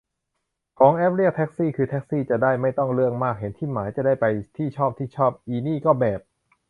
ของแอปเรียกแท็กซี่คือแท็กซี่จะได้ไม่ต้องเรื่องมาก เห็นที่หมาย จะได้ไปที่ชอบที่ชอบ อินี่ก็แบบ